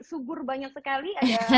subur banyak sekali